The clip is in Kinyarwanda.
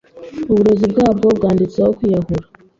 uburozi ubwabwo bwanditseho kwiyahura